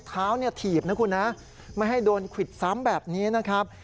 ถึงปฎิกส้ำแบบนี้นะครับ